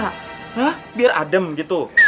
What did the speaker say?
hah biar adem gitu